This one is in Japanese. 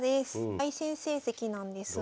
対戦成績なんですが。